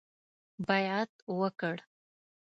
بیعت وکړ.